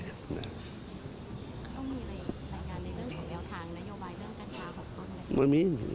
ต้องมีอะไรต่างกันในเรื่องของแววทางนโยบายเรื่องการข่าวของกรม